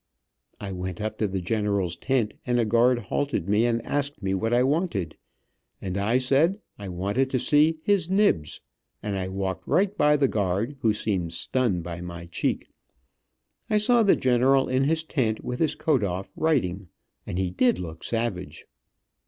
I went up to the general's tent and a guard halted me and asked me what I wanted, and I said I wanted to see "his nibs," and I walked right by the guard, who seemed stunned by my cheek. I saw the general in his tent, with his coat off, writing, and he did look savage.